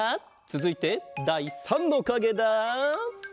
つづいてだい３のかげだ！